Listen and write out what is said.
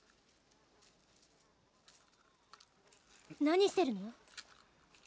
何してるの？